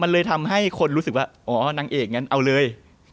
มันเลยทำให้คนรู้สึกว่าอ๋อนางเอกงั้นเอาเลย